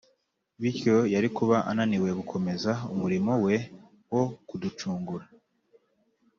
Bityo yari kuba ananiwe gukomeza umurimo we wo kuducungura.